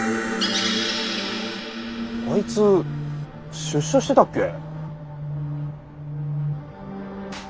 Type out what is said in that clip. あいつ出所してたっけ？